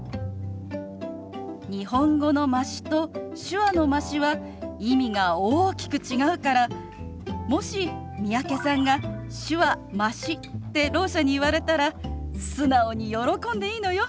日本語の「まし」と手話の「まし」は意味が大きく違うからもし三宅さんが「手話まし」ってろう者に言われたら素直に喜んでいいのよ。